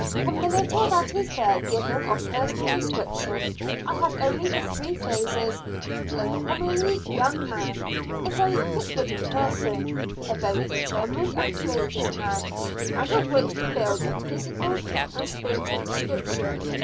From the little that is there given of personal description I have only the three phrases "a comelie young man," "a very quick witted person," "a very determined and courageous man," out of which to build a physical and spiritual description.